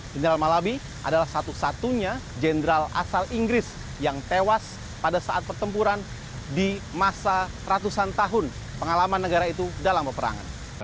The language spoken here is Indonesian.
jenderal malabi adalah satu satunya jenderal asal inggris yang tewas pada saat pertempuran di masa ratusan tahun pengalaman negara itu dalam peperangan